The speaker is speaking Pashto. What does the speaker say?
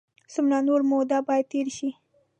څومره نوره موده باید تېره شي.